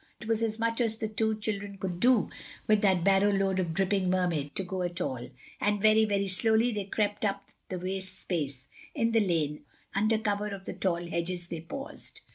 It was as much as the two children could do, with that barrow load of dripping Mermaid, to go at all. And very, very slowly they crept up the waste space. In the lane, under cover of the tall hedges, they paused.